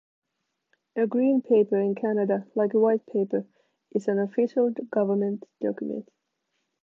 A green paper in Canada, like a white paper, is an official government document.